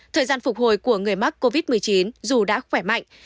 thời gian phục hồi của người mắc covid một mươi chín dù đã khỏe mạnh